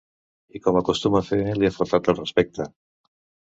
I com acostuma a fer, li ha faltat al respecte.